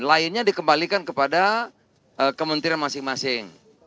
lainnya dikembalikan kepada kementerian masing masing